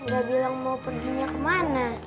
gak bilang mau perginya kemana